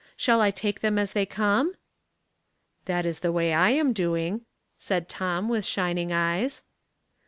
Shall I take them as they come?" "That is the way I am doing," said Tom, with shining eyes.